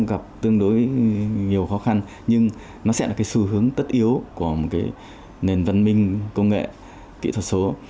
gặp tương đối nhiều khó khăn nhưng nó sẽ là cái xu hướng tất yếu của một cái nền văn minh công nghệ kỹ thuật số